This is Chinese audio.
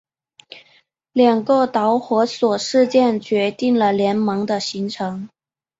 两个导火索事件决定了联盟的形成。